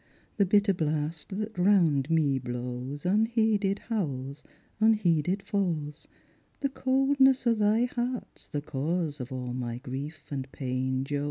The bitter blast that round me blawB !• Unheeded howls, unheeded fa's : The cauldness o' thy heart's the cause Of a' my gnief and pain, jo."